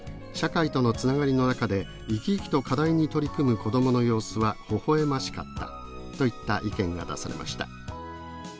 社会とのつながりの中で生き生きと課題に取り組む子供の様子はほほ笑ましかった」といった意見が出されました。